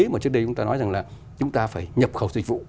mà trước đây chúng ta nói rằng là chúng ta phải nhập khẩu dịch vụ